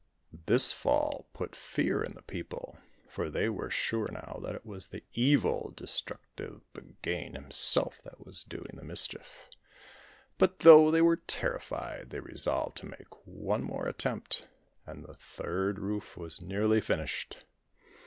This fall put fear in the people, for they were sure now that it was the evil, destructive Buggane himself that was doing the mischief. But, though they were terrified, they resolved to make one more attempt; and the third roof was nearly finished.